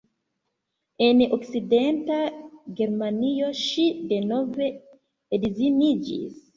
En Okcidenta Germanio ŝi denove edziniĝis.